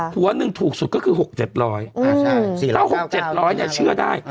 หัวหนึ่งถูกสุดก็คือ๖๗๐๐ถ้า๖๗๐๐เนี่ยเชื่อได้